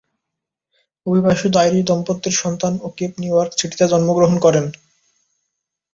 অভিবাসিত Irish দম্পতির সন্তান O'Keefe New York সিটিতে জন্মগ্রহণ করেন।